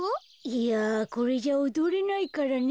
いやこれじゃおどれないからね。